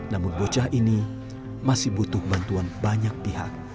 namun bocah ini masih butuh bantuan banyak pihak